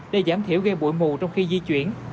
để giảm thiểu gây bụi mù trong khi di chuyển